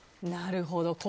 なるほど。